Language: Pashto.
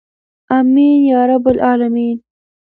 امین یا رب العالمین.